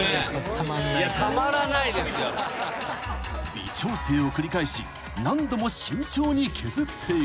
［微調整を繰り返し何度も慎重に削っていく］